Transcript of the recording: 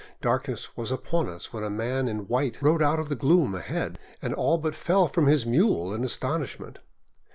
Darkness was upon us when a man in white rode out of the gloom ahead, and all but fell from his mule in astonishment.